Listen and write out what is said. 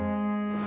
ini udah bergerak